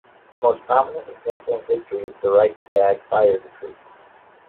The most prominent example in history is the Reichstag Fire Decree.